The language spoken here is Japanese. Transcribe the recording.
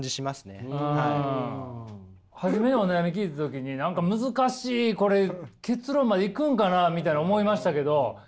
初めお悩み聞いた時に何か難しいこれ結論までいくんかなみたいな思いましたけどいきましたね。